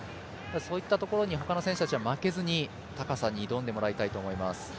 そういったところに他の選手たちは、負けずに高さに挑んでもらいたいと思います。